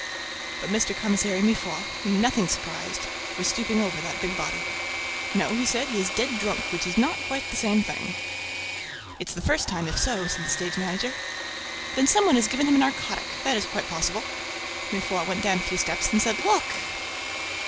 But Mr. Commissary Mifroid, whom nothing surprised, was stooping over that big body. "No," he said, "he is dead drunk, which is not quite the same thing." "It's the first time, if so," said the stage manager "Then some one has given him a narcotic. That is quite possible." Mifroid went down a few steps and said: "Look!"